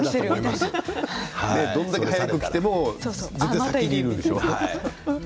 どれだけ早く来ても絶対、先にいるんでしょう？